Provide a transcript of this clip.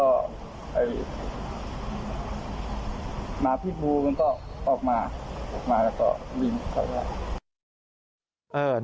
ก็หมาพิษบูมันก็ออกมาออกมาแล้วก็วิ่งเข้าไป